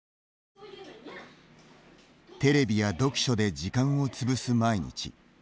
テレビや読書で時間をつぶす毎日。